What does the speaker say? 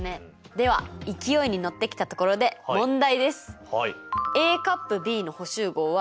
では勢いに乗ってきたところで問題です。